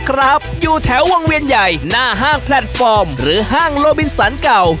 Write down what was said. ขอบคุณน้องตุ๋มตามนะคะ